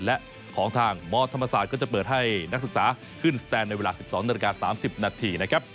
และของทางมธรรมศาสตร์ก็จะเปิดให้นักศึกษาขึ้นสแตนในเวลา๑๒นาฬิกา๓๐นาทีนะครับ